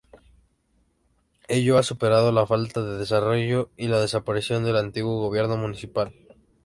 Ello ha supuesto la falta de desarrollo y la desaparición del antiguo gobierno municipal.